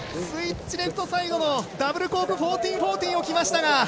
スイッチレフトサイドダブルコーク１４４０きましたが。